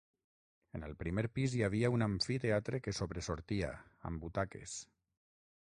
En el primer pis hi havia un amfiteatre que sobresortia, amb butaques.